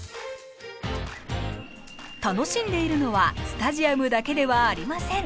楽しんでいるのはスタジアムだけではありません。